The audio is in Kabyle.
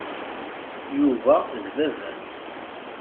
Yuba d baba-m.